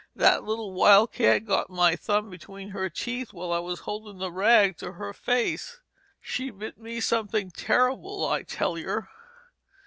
"That little wildcat got my thumb between her teeth while I was holdin' the rag to her face. She bit me somethin' terrible, I tell yer."